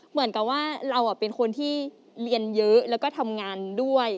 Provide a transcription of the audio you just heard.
เหมือนกับว่าเราเป็นคนที่เรียนเยอะแล้วก็ทำงานด้วย